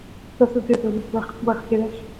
تاسو د دې بدلون برخه کېدای شئ.